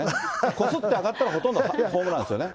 こすって上がったら、ほとんどホームランですよね。